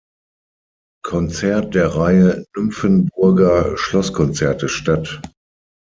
Konzert der Reihe „Nymphenburger Schlosskonzerte“ statt.